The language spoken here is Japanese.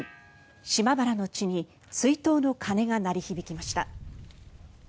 島原の地に追悼の鐘が鳴り響きました。